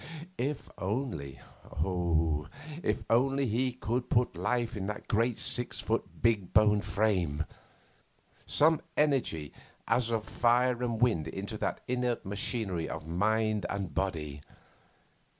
If only, oh, if only he could put life into that great six foot, big boned frame! Some energy as of fire and wind into that inert machinery of mind and body!